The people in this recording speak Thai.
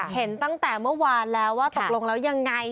เห็นตั้งแต่เมื่อวานแล้วว่าตกลงแล้วยังไง